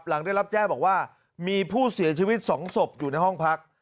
หลังได้รับแจ้งบอกว่ามีผู้เสียชีวิต๒ศพอยู่ในห้องพัก